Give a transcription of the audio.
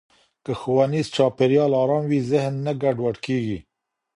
که ښوونیز چاپېریال ارام وي، ذهن نه ګډوډ کېږي.